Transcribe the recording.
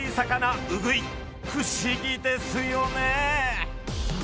不思議ですよね。